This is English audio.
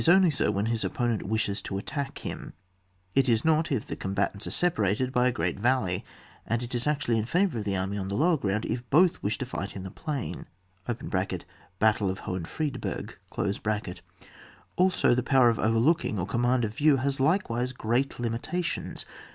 only so when his opponent wishes to attack him ; it is not if the combatants are separated by a great vaUey, and it is actually in favour of the army on the lower ground if both wish to fight in the plain (battle of HohenMedberg). Also the power of overlooking, or com mand of view, has likewise great limita tions.